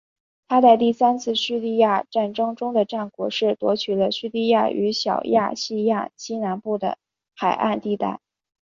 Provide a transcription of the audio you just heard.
他在第三次叙利亚战争中的战果是夺取了叙利亚与小亚细亚西南部的海岸地带。